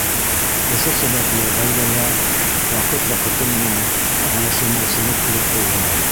Ошо сәбәпле ғаиләлә ваҡыт-ваҡыты менән аңлашылмаусанлыҡ килеп тыуғылай.